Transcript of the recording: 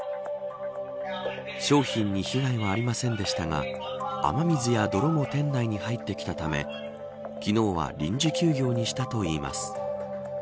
商品に被害はありませんでしたが雨水や泥も店内に入ってきたため昨日は臨時休業にしたといいます。